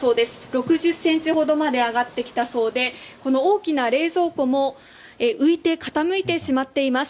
６０ｃｍほどまで上がってきたそうでこの大きな冷蔵庫も浮いて傾いてしまっています。